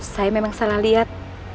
saya memang salah lihat